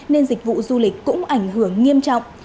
nên dịch vụ du lịch cũng ảnh hưởng nghiêm trọng